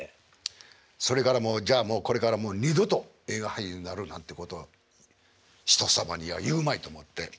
それからじゃあもうこれから二度と映画俳優になろうなんてこと人様には言うまいと思って。